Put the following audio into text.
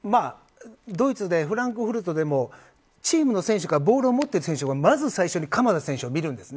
ドイツで、フランクフルトでもチームの選手がボールを持っている選手がまず最初に鎌田選手を見るんです。